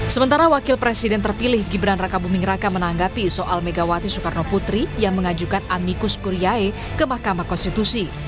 sementara wakil presiden terpilih gibran raka buming raka menanggapi soal megawati soekarno putri yang mengajukan amikus kuryae ke mahkamah konstitusi